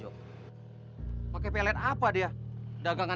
oleh masjidnya tidak perlu